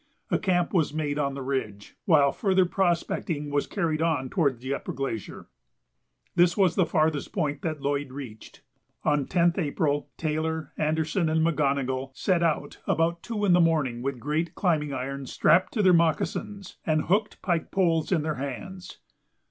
A camp was made on the ridge, while further prospecting was carried on toward the upper glacier. This was the farthest point that Lloyd reached. On 10th April, Taylor, Anderson, and McGonogill set out about two in the morning with great climbing irons strapped to their moccasins and hooked pike poles in their hands.